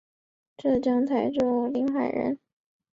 浙江台州临海人。